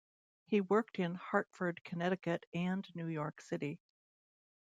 He worked in Hartford, Connecticut, and New York City.